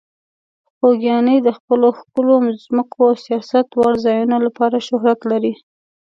خوږیاڼي د خپلو ښکلو ځمکو او سیاحت وړ ځایونو لپاره شهرت لري.